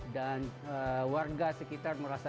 dan warga sekitar merasa